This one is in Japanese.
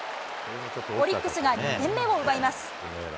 オリックスが２点目を奪います。